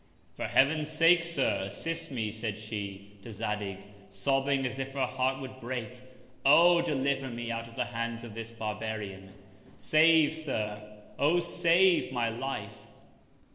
For Heaven's sake, Sir, assist me, said she, to Zadig, sobbing as if her Heart would break, Oh! deliver me out of the Hands of this Barbarian: Save, Sir, O save my Life.